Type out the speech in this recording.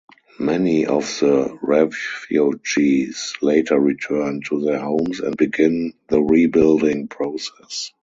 Many of the refugees later returned to their homes and begin the rebuilding process.